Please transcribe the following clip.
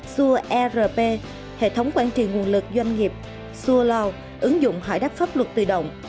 sua erp hệ thống quản trị nguồn lực doanh nghiệp sua loa ứng dụng hỏi đáp pháp luật tự động